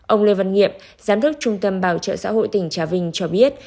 ông lê văn nghiệm giám đốc trung tâm bảo trợ xã hội tỉnh trà vinh cho biết